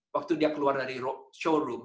waktu dia keluar dari showroom